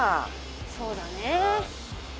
そうだね。